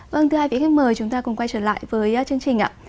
vâng từ hai vị khách mời chúng ta cùng quay trở lại với chương trình